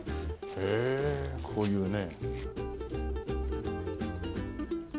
へえこういうね。